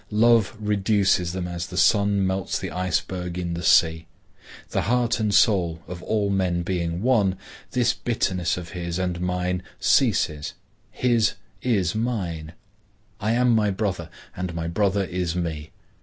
Love reduces them as the sun melts the iceberg in the sea. The heart and soul of all men being one, this bitterness of His and Mine ceases. His is mine. I am my brother and my brother is me.